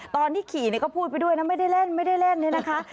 ตอนที่ขี่ก็พูดไปด้วยนะไม่ได้เล่นนี่นะคะ